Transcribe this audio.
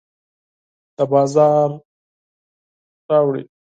د بازار راوړي